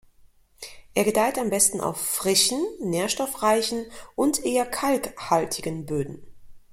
Er gedeiht am besten auf frischen, nährstoffreichen und eher kalkhaltigen Böden.